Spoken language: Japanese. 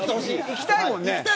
行きたいもんね。